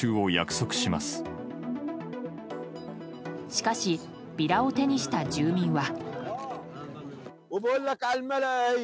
しかしビラを手にした住民は。